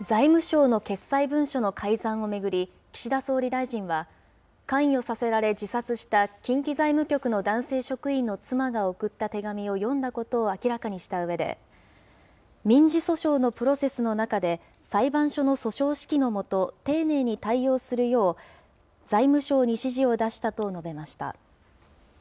財務省の決裁文書の改ざんを巡り、岸田総理大臣は、関与させられ自殺した近畿財務局の男性職員の妻が送った手紙を読んだことを明らかにしたうえで、民事訴訟のプロセスの中で裁判所の訴訟指揮の下、丁寧に対応するよう、財務省に指示を出したと述べました。